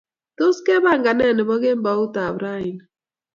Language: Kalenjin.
Tos, kepangan ne neboo kemboutab raini?